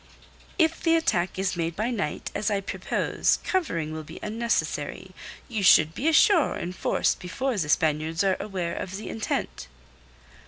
"If the attack is made by night, as I propose, covering will be unnecessary. You should be ashore in force before the Spaniards are aware of the intent."